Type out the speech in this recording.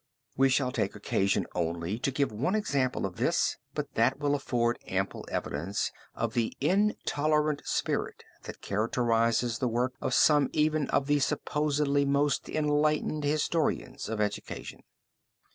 We shall take occasion only to give one example of this, but that will afford ample evidence of the intolerant spirit that characterizes the work of some even of the supposedly most enlightened historians of education.